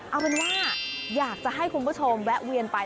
เอาเป็นว่าอยากจะให้คุณผู้ชมแวะเวียนไป